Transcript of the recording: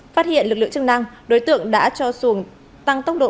phát hiện lực lượng chức năng đối tượng đã cho xuồng tăng tốc độ